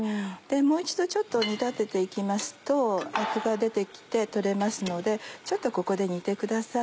もう一度ちょっと煮立てて行きますとアクが出て来て取れますのでちょっとここで煮てください。